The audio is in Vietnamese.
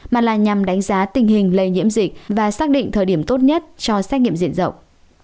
mà là nhằm đánh giá tình hình lây nhiễm dịch và xác định thời điểm tốt nhất cho xét nghiệm diện rộng